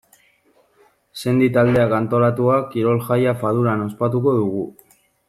Sendi taldeak antolatua, kirol-jaia Faduran ospatuko dugu.